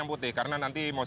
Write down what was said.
ada di rumah